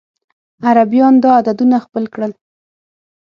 عربيان دا عددونه خپل کړل.